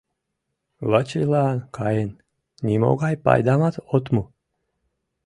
Вачилан каен, нимогай пайдамат от му.